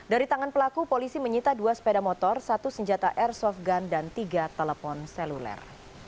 dari tangan pelaku polisi menyita dua sepeda motor satu senjata airsoft gun dan tiga telepon seluler